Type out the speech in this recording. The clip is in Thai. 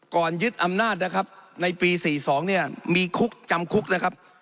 ยึดอำนาจนะครับในปี๔๒เนี่ยมีคุกจำคุกนะครับ